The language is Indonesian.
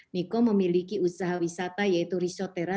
niko memiliki usaha wisata yaitu risotera